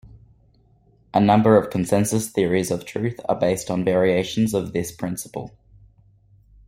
A number of consensus theories of truth are based on variations of this principle.